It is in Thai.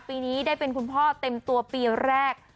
ปีนี้ได้เป็นคุณพ่อเต็มตัวปีแรก